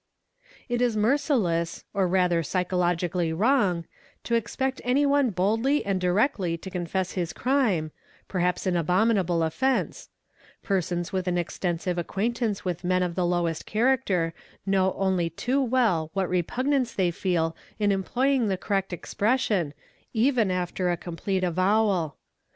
| It is merciless, ov rather psychologically wrong, to expect anyone ~ boldly and directly to confess his crime, perhaps an abominable offence ; persons with an extensive acquaintance with men of the lowest charac — ter know only too well what repugnance they feel in employing the correct expression, even after a complete avowal.